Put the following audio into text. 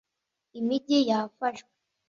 imijyi yafashwe